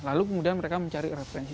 lalu kemudian mereka mencari referensi